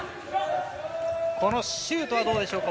このシュートはどうでしょうか？